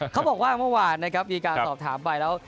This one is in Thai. เขาบอกว่าเมื่อวานนะครับมีการสอบถามไปแล้ว